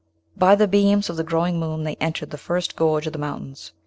By the beams of the growing moon they entered the first gorge of the mountains.